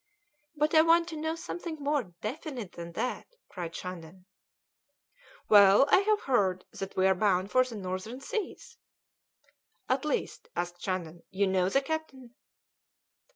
"But I want to know something more definite than that," cried Shandon. "Well, I have heard that we are bound for the Northern Seas." "At least," asked Shandon, "you know the captain?"